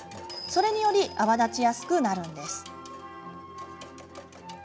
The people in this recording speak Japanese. それにより泡立ちやすくなるんです。